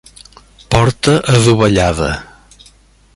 Porta adovellada.